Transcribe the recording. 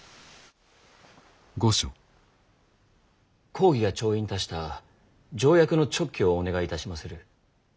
公儀が調印いたした条約の勅許をお願いいたしまする。